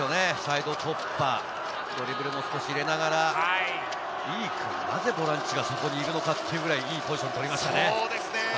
ドリブルも少し入れながら、井伊君、なぜボランチがそこにいるのかってぐらい、いいポジションにいましたね。